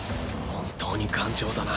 本当に頑丈だな。